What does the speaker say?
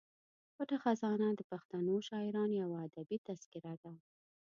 پټه خزانه د پښتنو شاعرانو یوه ادبي تذکره ده.